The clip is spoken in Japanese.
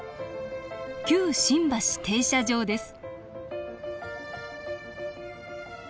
旧新橋停車場です